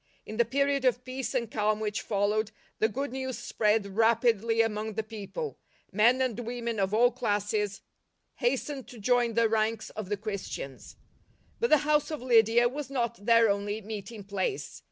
In the period of peace and calm which fol lowed, the good news spread rapidly among the people; men and women of all classes hastened to join the ranks of the Christians. But the house of Lydia was not their only meeting place.